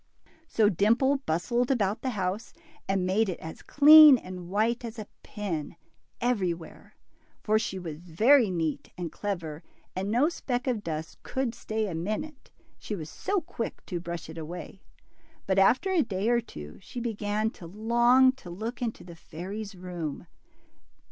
So Dimple bustled about the house, and made it as clean and white as a pin, everywhere. For she was very neat and clever, and no speck of dust could stay a minute, she was so quick to brush it away. But after a day or two sheT began to long to look into the fairy '^s room.